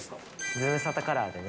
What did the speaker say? ズムサタカラーでね。